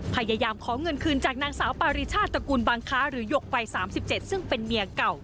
พยายามขอเงินคืนจากนางสาวปาริชาติตระกูลบางค้าหรือหยกวัย๓๗ซึ่งเป็นเมียเก่า